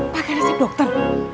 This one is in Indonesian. pakai resep dokter